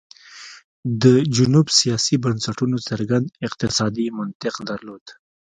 د جنوب سیاسي بنسټونو څرګند اقتصادي منطق درلود.